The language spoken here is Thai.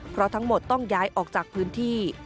เพราะทั้งหมดต้องย้ายออกจากพื้นที่